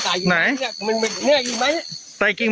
ใส่กิ่งไม้ขึ้นมาสะพานเนี่ย